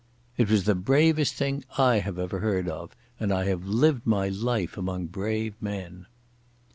It was the bravest thing I have ever heard of, and I have lived my life among brave men.